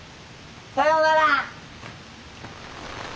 さようなら！